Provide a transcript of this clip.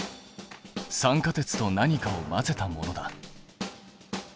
酸化鉄と何かを混ぜたものだ。